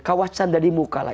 kawah canda di muka lah